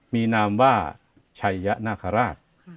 มีนามว่าชัยยะนาคาราช